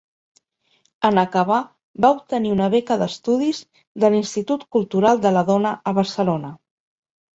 En acabar va obtenir una beca d'estudis de l'Institut Cultural de la Dona a Barcelona.